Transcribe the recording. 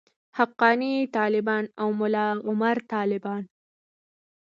حقاني طالبان او ملاعمر طالبان.